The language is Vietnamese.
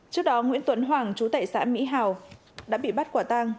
trước đó nguyễn tuấn hoàng chú tệ xã mỹ hào đã bị bắt quả tang